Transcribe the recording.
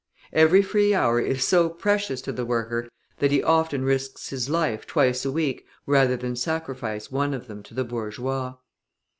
Every free hour is so precious to the worker that he often risks his life twice a week rather than sacrifice one of them to the bourgeois.